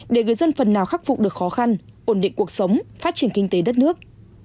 để người dân phần nào khắc phục được khó khăn ổn định cuộc sống phát triển kinh tế đất nước